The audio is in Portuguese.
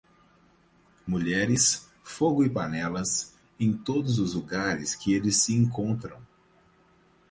Mulheres, fogo e panelas, em todos os lugares que eles se encontram.